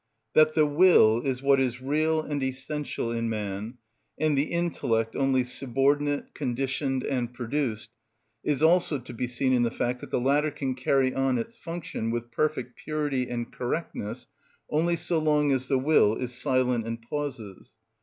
That the will is what is real and essential in man, and the intellect only subordinate, conditioned, and produced, is also to be seen in the fact that the latter can carry on its function with perfect purity and correctness only so long as the will is silent and pauses.